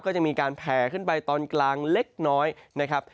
ก็จะมีการแผ่ขึ้นไปตอนกลางเล็กน้อยนะครับ